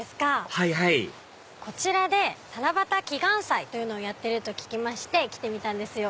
はいはいこちらで七夕祈願祭というのをやってると聞きまして来てみたんですよ。